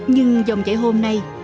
nhưng dòng giấy hôm nay